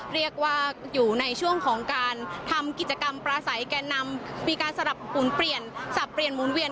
เรียกว่าอยู่ในช่วงของการทำกิจกรรมปลาใสแก่นำมีการสลับหมุนเปลี่ยนสับเปลี่ยนหมุนเวียน